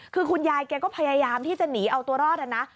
คือคุณยายแกก็พยายามที่จะหนีเอาตัวรอดนะ